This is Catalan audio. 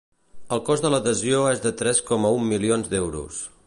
El cost de l’adhesió és de tres coma u milions d’euros.